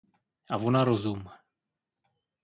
A vona rozum.